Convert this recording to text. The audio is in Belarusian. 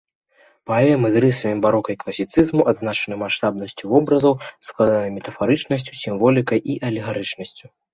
Паэмы з рысамі барока і класіцызму адзначаны маштабнасцю вобразаў, складанай метафарычнасцю, сімволікай і алегарычнасцю.